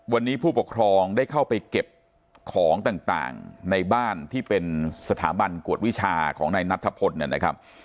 วันนี้ผู้ปกครองได้เข้าไปเก็บของต่างในบ้านที่เป็นสถาบันกวดวิชาของนายนัทธพลนะครับ